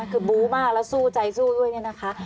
คือบู้มากแล้วสู้ใจสู้ด้วยเนี่ยนะคะ